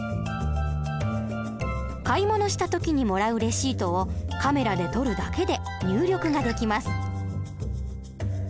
買い物した時にもらうレシートをカメラで撮るだけで入力ができます。